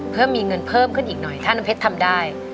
เพื่อมีเงินเพิ่มขึ้นอีกหน่อยถ้าน้ำเพชรทำได้